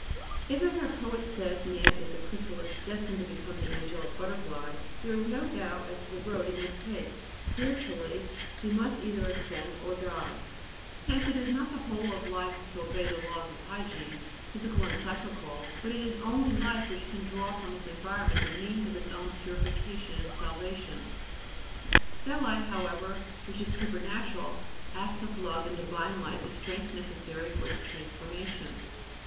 If, as our poet says, man is "the chrysalis destined to become the angelic butterfly," there is no doubt as to the road he must take: spiritually, he must either ascend or die. Hence it is not the whole of life to obey the laws of hygiene, physical and psychical; but it is only life which can draw from its environment the means of its own purification and salvation; that life, however, which is supernatural, asks of love and divine light the strength necessary for its transformation.